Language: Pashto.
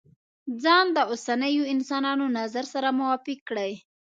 ځان د اوسنيو انسانانو نظر سره موافق کړي.